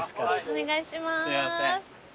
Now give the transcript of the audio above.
お願いします。